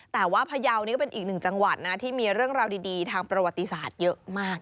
แต่ว่าพยาวนี่ก็เป็นอีกหนึ่งจังหวัดนะที่มีเรื่องราวดีทางประวัติศาสตร์เยอะมาก